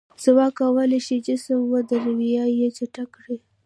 ځواک کولی شي جسم ودروي یا یې چټک کړي.